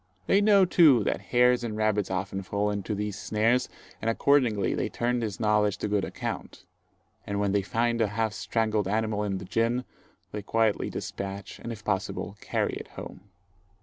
They know too that hares and rabbits often fall into these snares, and accordingly they turn this knowledge to good account; and when they find a half strangled animal in the gin, they quietly despatch, and if possible carry it home.